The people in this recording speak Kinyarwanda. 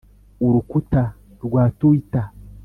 urukuta.rwa tuwita